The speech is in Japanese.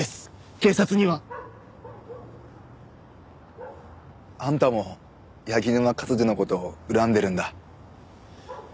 警察には。あんたも柳沼勝治の事恨んでるんだ。